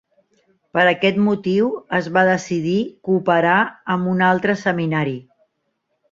Per aquest motiu, es va decidir cooperar amb un altre seminari.